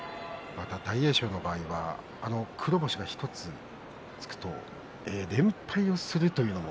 大栄翔の場合は黒星が１つつくと連敗するというのが。